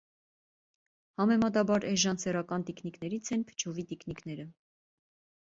Համեմատաբար էժան սեռական տիկնիկներից են փչովի տիկնիկները։